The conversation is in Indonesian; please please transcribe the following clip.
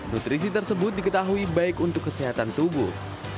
nutrisi tersebut diketahui baik untuk kesehatan tubuh